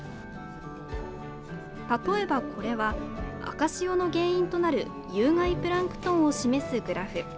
例えばこれは、赤潮の原因となる有害プランクトンを示すグラフ。